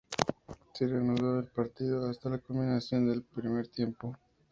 Se reanudó el partido, hasta la culminación del primer tiempo.